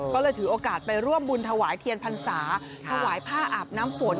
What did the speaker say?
ก็เลยถือโอกาสไปร่วมบุญถวายเทียนพรรษาถวายผ้าอาบน้ำฝน